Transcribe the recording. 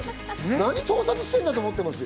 何、盗撮してんだと思ってるよ。